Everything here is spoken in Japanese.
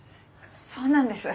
そうなんです。